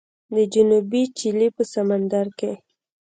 د جنوبي چیلي په سمندر کې